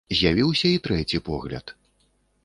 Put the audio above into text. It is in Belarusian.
З'явіўся і трэці погляд.